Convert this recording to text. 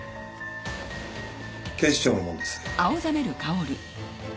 警視庁の者です。